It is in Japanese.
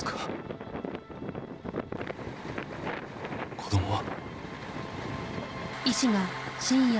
子供は？